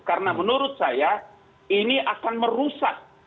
karena menurut saya ini akan merusak